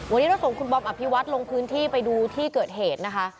วันนี้เราส่งคุณบอมอภิวัตรลงพื้นที่ไปดูที่เกิดเหตุนะคะ